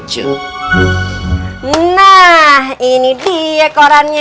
hai nah ini tuh abangnya abangnya abangnya